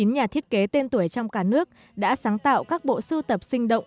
chín nhà thiết kế tên tuổi trong cả nước đã sáng tạo các bộ sưu tập sinh động